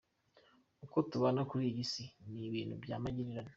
Uko tubana kuri iyi si, ni ibintu bya magirirane.